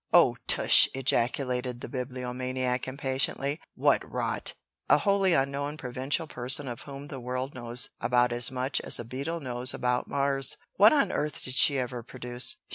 "Oh, tush!" ejaculated the Bibliomaniac impatiently. "What rot! A wholly unknown provincial person of whom the world knows about as much as a beetle knows about Mars. What on earth did she ever produce?"